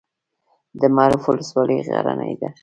د معروف ولسوالۍ غرنۍ ده